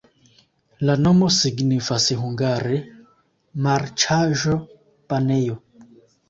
La nomo signifas hungare: marĉaĵo-banejo.